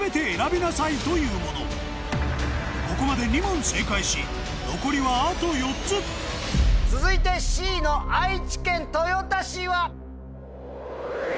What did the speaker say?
ここまで２問正解し残りはあと４つ続いてＣの愛知県豊田市は？